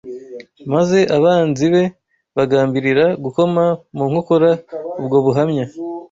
maze abanzi be bagambirira gukoma mu nkokora ubwo buhamya